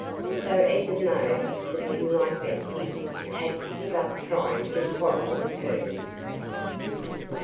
So even those that didn't like Betsy had to give up trying to quarrel with her.